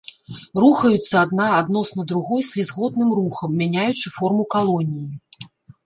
Рухаюцца адна адносна другой слізготным рухам, мяняючы форму калоніі.